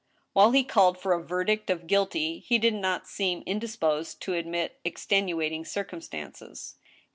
While he called for a verdict of guilty, he did not seem indisposed to admit extenuating circumstances.